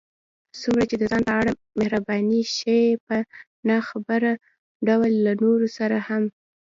څومره چې د ځان په اړه محرباني ښيې، په ناخبره ډول له نورو سره هم